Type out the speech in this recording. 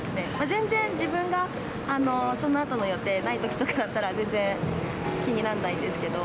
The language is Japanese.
全然、自分がそのあとの予定ないときとかだったら、全然気になんないんですけど。